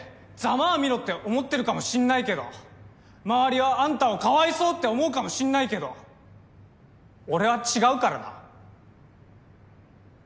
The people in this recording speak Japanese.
まぁ見ろって思ってるかもしんないけど周りはあんたをかわいそうって思うかもしんないけど俺は違うからな。